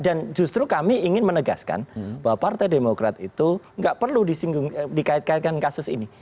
dan justru kami ingin menegaskan bahwa partai demokrat itu gak perlu dikait kaitkan kasus ini